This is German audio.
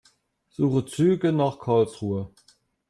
Suche Züge nach Karlsruhe.